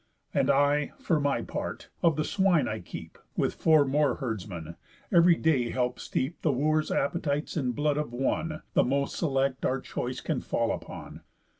And I, for my part, of the swine I keep (With four more herdsmen) ev'ry day help steep The Wooers' appetites in blood of one, The most select our choice can fall upon."